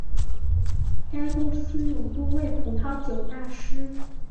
该公司有多位葡萄酒大师。